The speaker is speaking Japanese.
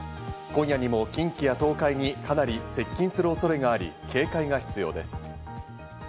今夜にも近畿や東海にかなり接近する恐れがあり、警戒が必要です。